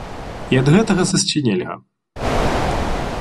І ад гэтага сысці нельга.